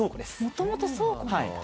もともと倉庫なんだ。